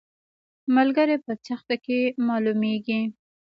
ملګری په سخته کې معلومیږي